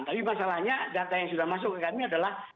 tapi masalahnya data yang sudah masuk ke kami adalah